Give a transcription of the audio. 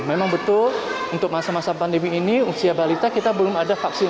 memang betul untuk masa masa pandemi ini usia balita kita belum ada vaksin